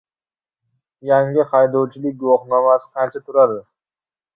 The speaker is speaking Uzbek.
Yangi haydovchilik guvohnomasi qancha turadi?